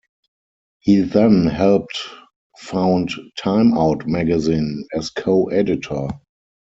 He then helped found "Time Out" magazine, as co-editor.